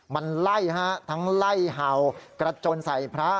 มันไล่ฮะทั้งไล่เห่ากระจนใส่พระ